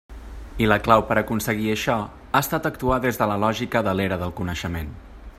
I la clau per aconseguir això ha estat actuar des de la lògica de l'Era del Coneixement.